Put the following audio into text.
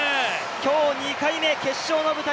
今日２回目、決勝の舞台